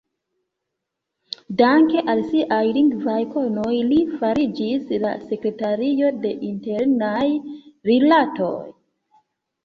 Danke al siaj lingvaj konoj, li fariĝis la sekretario de Internaj Rilatoj.